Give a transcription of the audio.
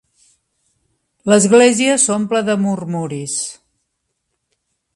L'església s'omple de murmuris.